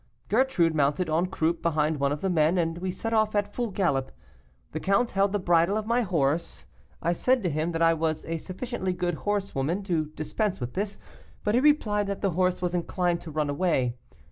Gertrude mounted en croupe behind one of the men, and we set off at full gallop. The count held the bridle of my horse. I said to him that I was a sufficiently good horsewoman to dispense with this, but he replied that the horse was inclined to run away.